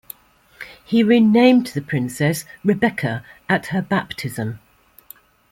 He renamed the princess "Rebecca" at her baptism.